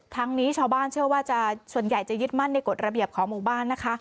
ทั้งนี้ชาวบ้านเชื่อว่าส่วนใหญ่จะยึดมั่นในกฎระเบียบของหมู่บ้านนะคะ